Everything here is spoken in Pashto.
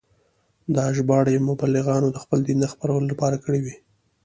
دا ژباړې مبلغانو د خپل دین د خپرولو لپاره کړې وې.